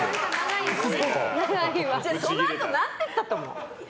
そのあと何て言ったと思う？